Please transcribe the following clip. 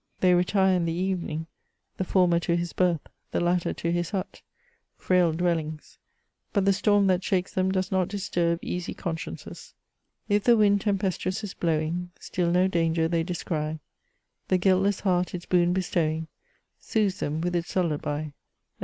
They retire in the evening, the former to his berth, the latter to his hut ; frail dwellings ; but the storm that shakes them does not disturb easy consciences :—" If the wind tempestuous is blowing, Still no danger they descry ; The guiltless heart its boon bestowing, Soothes them with its lullaby/' &c.